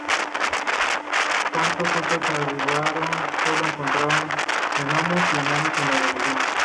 Cuando estos arribaron, sólo encontraron gnomos y enanos en la región.